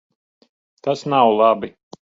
Tas nav labi.